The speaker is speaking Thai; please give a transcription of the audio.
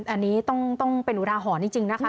อันนี้ต้องเป็นอุทาหรณ์จริงนะคะ